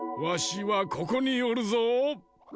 わしはここにおるぞ！